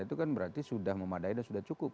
itu kan berarti sudah memadai dan sudah cukup